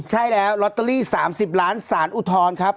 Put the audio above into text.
ใช่แล้วลอตเตอรี่๓๐ล้านสารอุทธรณ์ครับ